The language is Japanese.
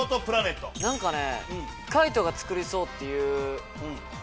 何かね。